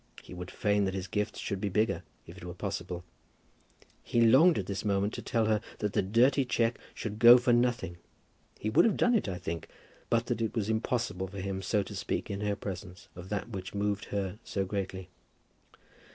He would fain that his gifts should be the bigger, if it were possible. He longed at this moment to tell her that the dirty cheque should go for nothing. He would have done it, I think, but that it was impossible for him so to speak in her presence of that which moved her so greatly.